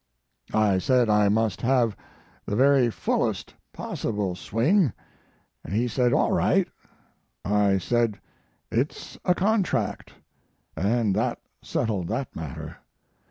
I said I must have the very fullest possible swing, and he said, "All right." I said, "It's a contract " and that settled that matter.